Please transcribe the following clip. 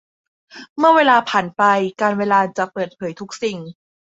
เมื่อเวลาผ่านไปกาลเวลาจะเปิดเผยทุกสิ่ง